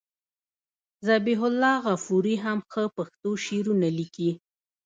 ذبیح الله غفوري هم ښه پښتو شعرونه لیکي.